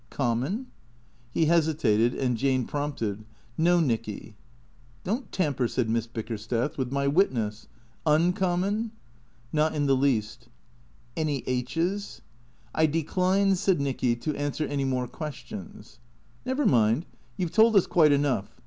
"Common?" He hesitated and Jane prompted. " No, Nicky." " Don't tamper," said Miss Bickersteth, " with my witness. Uncommon ?"" Not in the least." " Any aitches ?"" I decline," said Nicky, " to answer any more questions." " Never mind. You 've told us quite enough.